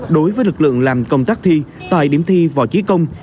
đối với lực lượng làm công tác thi tại điểm thi võ trí công